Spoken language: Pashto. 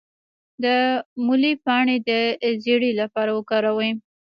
د مولی پاڼې د زیړي لپاره وکاروئ